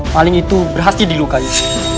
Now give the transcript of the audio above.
paling itu berhasil dilukai